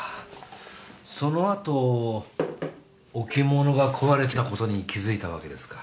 そのあと置物が壊れてたことに気づいたわけですか。